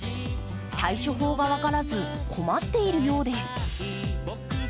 対処法が分からず困っているようです。